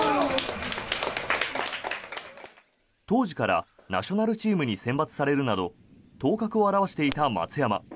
当時からナショナルチームに選抜されるなど頭角を現していた松山。